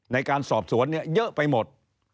ในการสอบสวนเนี่ยเยอะไปหมด